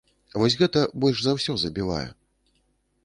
Вось гэта больш за ўсё забівае.